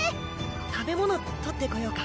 食べ物取ってこようか？